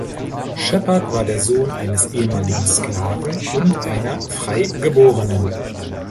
Sheppard war der Sohn eines ehemaligen Sklaven und einer „frei Geborenen“.